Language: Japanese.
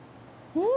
うん！